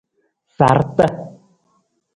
Sarta.